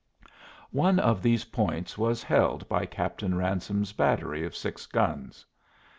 One of these points was held by Captain Ransome's battery of six guns.